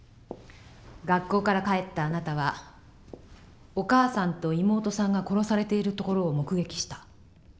学校から帰ったあなたはお母さんと妹さんが殺されているところを目撃した。